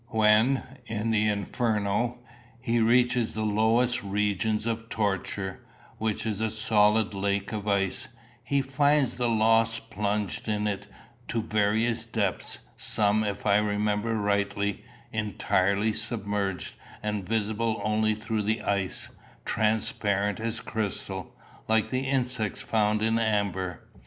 When, in the Inferno, he reaches the lowest region of torture, which is a solid lake of ice, he finds the lost plunged in it to various depths, some, if I remember rightly, entirely submerged, and visible only through the ice, transparent as crystal, like the insects found in amber.